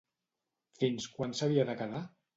Fins quan s'havia de quedar?